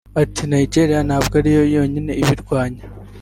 Ati “Nigeria ntabwo ariyo yonyine ibirwanya